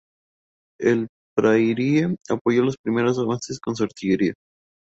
El "Prairie" apoyó los primeros avances con su artillería.